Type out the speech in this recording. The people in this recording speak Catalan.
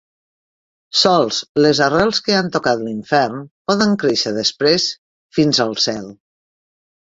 Sols les arrels que han tocat l'infern poden créixer després fins al cel.